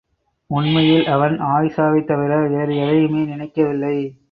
உண்மையில் அவன் அயீஷாவைத் தவிர வேறு எதையுமே நினைக்கவில்லை.